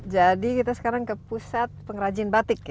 jadi kita sekarang ke pusat pengrajin batik ya